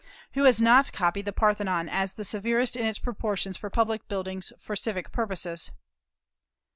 Who has not copied the Parthenon as the severest in its proportions for public buildings for civic purposes?